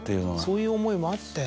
そういう思いもあって。